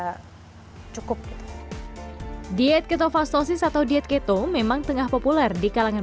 hai cukup diet ketofastosis atau diet keto memang tengah populer di kalangan